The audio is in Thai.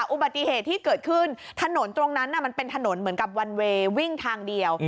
อุบัติเหตุที่เกิดขึ้นถนนตรงนั้นมันเป็นถนนเหมือนกับวันเวย์วิ่งทางเดียว